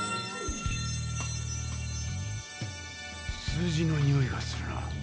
数字のにおいがするな。